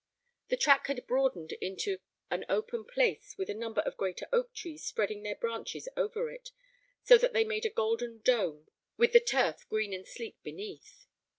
The track had broadened into an open place with a number of great oak trees spreading their branches over it, so that they made a golden dome with the turf green and sleek beneath.